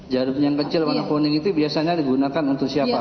jarum yang kecil warna kuning itu biasanya digunakan untuk siapa